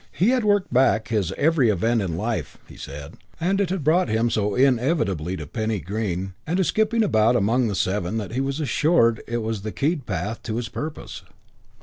He had "worked back" his every event in life, he said, and it had brought him so inevitably to Penny Green and to skipping about among the seven that he was assured it was the keyed path to his purpose.